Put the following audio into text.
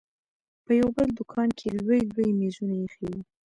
په يو بل دوکان کښې لوى لوى مېزونه ايښي وو.